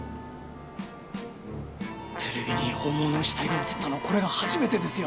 テレビに本物の死体が映ったのこれが初めてですよ。